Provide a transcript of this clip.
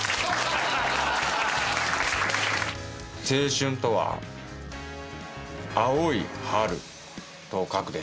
青春とは「青い春」と書くでしょう？